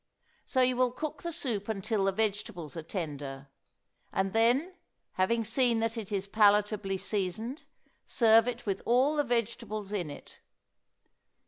So you will cook the soup until the vegetables are tender; and then, having seen that it is palatably seasoned, serve it with all the vegetables in it.